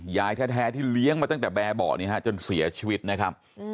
ยายแท้ที่เลี้ยงมาตั้งแต่แบบเบาะจนเสียชีวิตนะครับ